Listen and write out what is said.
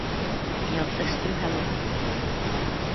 Měl sestru Helenu.